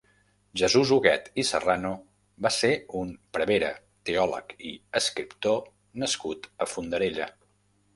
Jesús Huguet i Serrano va ser un prevere, teòleg i escriptor nascut a Fondarella.